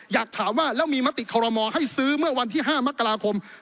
อยากถามว่าแล้วมีมติคอรมอให้ซื้อเมื่อวันที่๕มกราคม